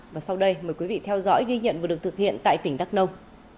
và sau đây mời quý vị theo dõi ghi nhận vừa được thực hiện tại tỉnh đắk nông